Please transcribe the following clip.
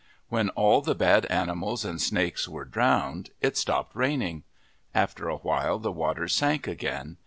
When all the bad animals and snakes were drowned, it stopped raining. After a while the waters sank again.